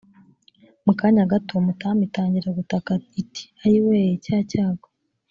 mu kanya gato mutamu itangira gutaka iti ayii we cya cyago